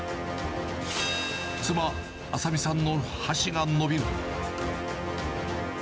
妻、麻美さんの箸が伸びる。